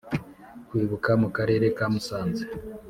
Kwibuka mu karere ka musanze